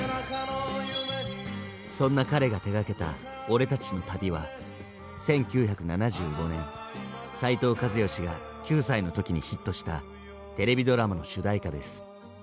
そんな彼が手がけた「俺たちの旅」は１９７５年斉藤和義が９歳の時にヒットしたテレビドラマの主題歌です。